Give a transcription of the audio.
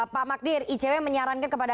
pak magdir icw menyarankan kepada